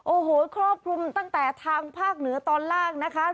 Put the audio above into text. โอ้โหครอบคลุมตั้งแต่ทางภาคเหนือตอนล่างนะคะ